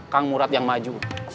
kang murad yang maju